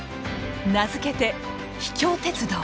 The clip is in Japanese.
名付けて「秘境鉄道」。